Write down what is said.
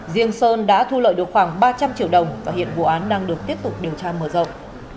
riêng sơn đã thu lợi được khoảng ba trăm linh triệu đồng và hiện vụ án đang được tiếp tục điều tra mở rộng